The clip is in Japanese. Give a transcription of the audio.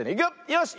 よし。